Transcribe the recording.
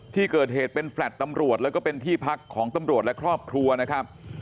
ที่เกิดเหตุเป็นแฟลต์ตำรวจแล้วก็เป็นที่พักของตำรวจและครอบครัวนะครับ